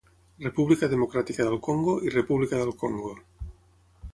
República Democràtica del Congo i República del Congo.